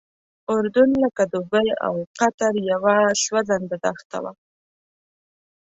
اردن لکه دوبۍ او قطر یوه سوځنده دښته وه.